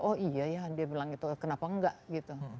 oh iya ya dia bilang gitu kenapa nggak gitu